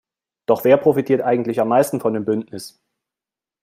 Doch wer profitiert eigentlich am meisten von dem Bündnis?